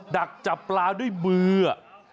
ดักจับปลาด้วยมืออ่ะ